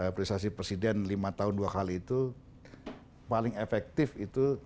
prisasi presiden lima tahun dua kali itu paling efektif itu